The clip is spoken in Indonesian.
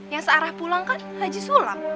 yang searah pulang kan haji sulam